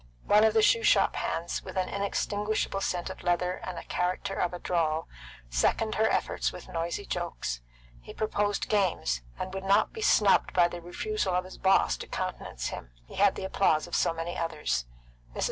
One of the shoe shop hands, with an inextinguishable scent of leather and the character of a droll, seconded her efforts with noisy jokes. He proposed games, and would not be snubbed by the refusal of his boss to countenance him, he had the applause of so many others. Mrs.